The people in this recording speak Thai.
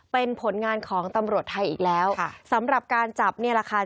เป็นผลงานของตำรวจไทยอีกแล้วค่ะสำหรับการจับเนี่ยแหละค่ะ